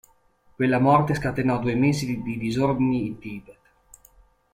Quella morte scatenò due mesi di disordini in Tibet.